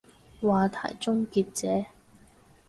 話題終結者